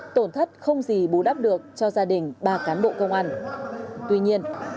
tổn thất không gì bù đắp được cho gia đình ba cán bộ công an